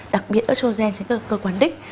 đặc biệt estrogen trên cơ quan đích